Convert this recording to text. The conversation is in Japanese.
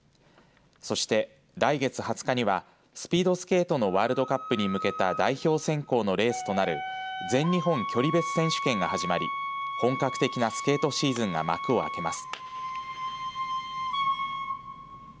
そして来月２０日にはスピードスケートのワールドカップに向けた代表選考のレースとなる全日本距離別選手権が始まり本格的なスケートシーズンが幕を開けます。